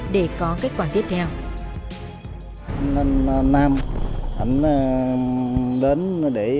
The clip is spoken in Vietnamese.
để có kết quả tiếp theo